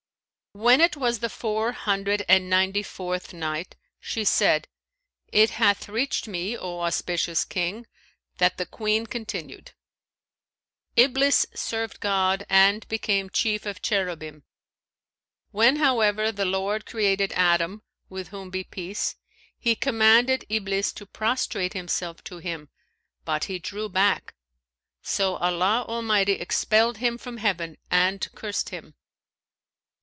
When it was the Four Hundred and Ninety fourth Night, She said, It hath reached me, O auspicious King, that the Queen continued: "'Iblis served God and became chief of Cherubim. When, however, the Lord created Adam (with whom be peace!), He commanded Iblis to prostrate himself to him, but he drew back; so Allah Almighty expelled him from heaven and cursed him.